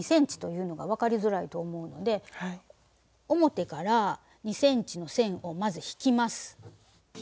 表から２ｃｍの線をまず引きます。